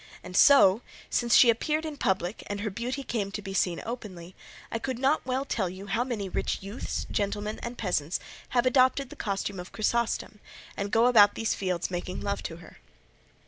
And so, since she appeared in public, and her beauty came to be seen openly, I could not well tell you how many rich youths, gentlemen and peasants, have adopted the costume of Chrysostom, and go about these fields making love to her.